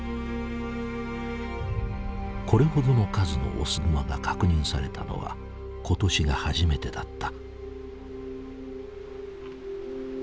これほどの数のオスグマが確認されたのは今年が初めてだった。